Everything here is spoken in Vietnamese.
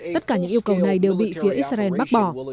tất cả những yêu cầu này đều bị phía israel bác bỏ